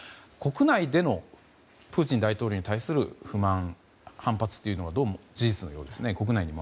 国内でのプーチン大統領に対する不満、反発というのは事実のようですね。